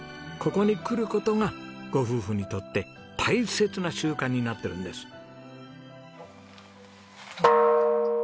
ここに来る事がご夫婦にとって大切な習慣になってるんです。